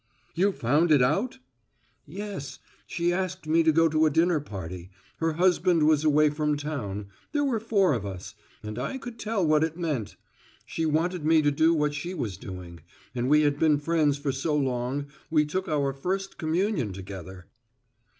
"You found it out!" "Yes, she asked me to go to a dinner party. Her husband was away from town there were four of us and I could tell what it meant. She wanted me to do what she was doing and we had been friends so long we took our first communion together."